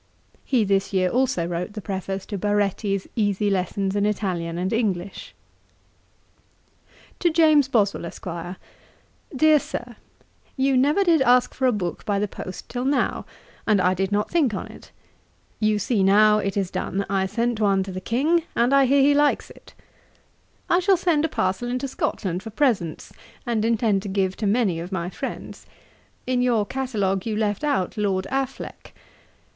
He this year also wrote the Preface to Baretti's Easy Lessons in Italian and English. 'To JAMES BOSWELL, ESQ. 'DEAR SIR, 'You never did ask for a book by the post till now, and I did not think on it. You see now it is done. I sent one to the King, and I hear he likes it. 'I shall send a parcel into Scotland for presents, and intend to give to many of my friends. In your catalogue you left out Lord Auchinleck.